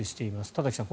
田崎さん